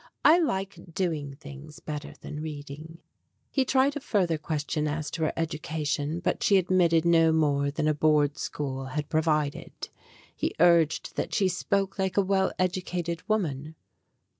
I like doing things better than reading." He tried a further question as to her education, but she admitted no more than a Board School had pro vided. He urged that she spoke like a well educated woman.